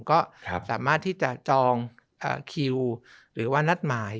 ก็สามารถที่จะจองคิวหรือว่านัดหมาย